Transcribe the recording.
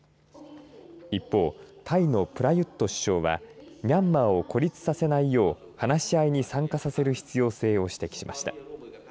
一方、タイのプラユット首相はミャンマーを孤立させないよう話し合いに参加させる必要性を指摘しました。